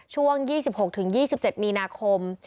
ช่วง๒๖๒๗มีนาคม